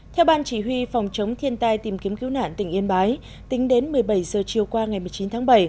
theo ban chỉ huy phòng chống thiên tai tìm kiếm cứu nạn tỉnh yên bái tính đến một mươi bảy giờ chiều qua ngày một mươi chín tháng bảy